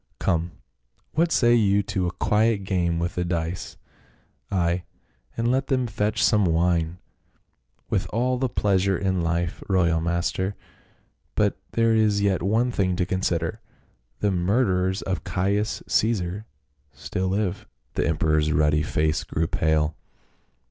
Come, what say you to a quiet game with the dice ? Ay, and let them fetch some wine." " With all the pleasure in life, royal master. But there is yet one thing to consider. The murderers of Caius Caesar still live." The emperor's ruddy face grew pale.